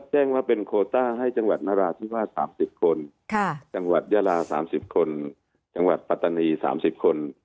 จังหวัดปรารถี๓๐คน